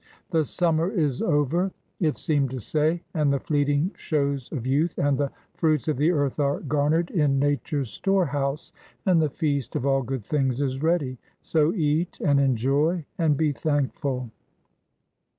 "The summer is over," it seemed to say, "and the fleeting shows of youth, and the fruits of the earth are garnered in Nature's storehouse, and the feast of all good things is ready; so eat and enjoy, and be thankful."